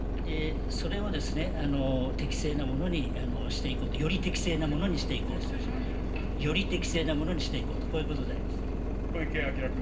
それを適正なものにしていこうと、より適正なものにしていこうと。より適正なものにしていこうと、小池晃君。